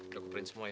udah kuprint semua ya